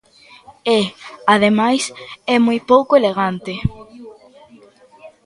E, ademais, é moi pouco elegante.